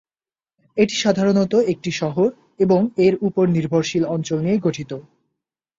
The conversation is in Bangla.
এটি সাধারণত একটি শহর এবং এর উপর নির্ভরশীল অঞ্চল নিয়ে গঠিত।